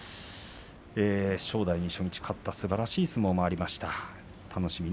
正代に勝ったすばらしい相撲がありました。